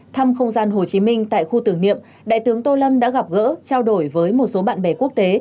thăm không gian hồ chí minh tại khu tưởng niệm đại tướng tô lâm đã gặp gỡ trao đổi với một số bạn bè quốc tế